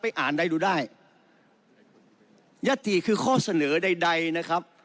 ไปอ่านได้ดูได้ยัตถีคือข้อเสนอใดนะครับ